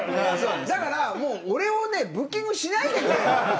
だから俺をブッキングしないでくれ。